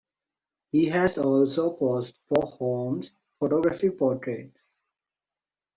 He has also posed for Holmes's photography portraits.